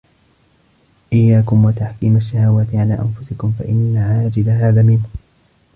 إيَّاكُمْ وَتَحْكِيمَ الشَّهَوَاتِ عَلَى أَنْفُسِكُمْ فَإِنَّ عَاجِلَهَا ذَمِيمٌ